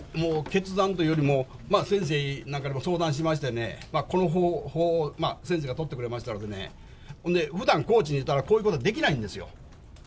決断というよりも、先生なんかにも相談しましてね、この方法、先生が取ってくれましたんでね、ふだん、高知にいたら、こういうことできないんですよ。